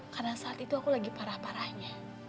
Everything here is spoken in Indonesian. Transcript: karena saat itu aku lagi parah parahnya